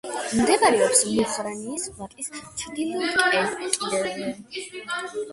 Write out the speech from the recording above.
მდებარეობს მუხრანის ვაკის ჩრდილოეთ კიდეზე.